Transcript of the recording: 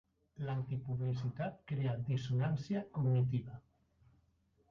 L'antipublicitat crea dissonància cognitiva.